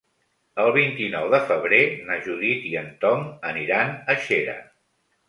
El vint-i-nou de febrer na Judit i en Tom aniran a Xera.